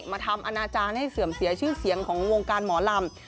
ทำอนาจารย์ให้เสื่อมเสียชื่อเสียงของวงการหมอลำ